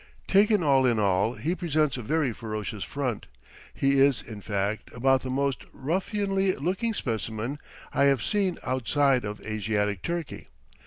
Taken all in all, he presents a very ferocious front; he is, in fact, about the most ruffianly looking specimen I have seen outside of Asiatic Turkey.